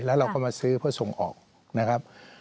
แล้วเราก็มาซื้อเพื่อส่งออกนะครับ